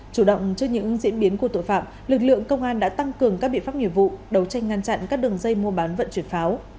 chủ động trước những diễn biến của tội phạm lực lượng công an đã tăng cường các biện pháp nghiệp vụ đấu tranh ngăn chặn các đường dây mua bán vận chuyển pháo